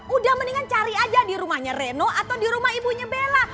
udah mendingan cari aja dirumahnya reno atau dirumah ibunya bela